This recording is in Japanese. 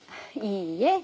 いいえ。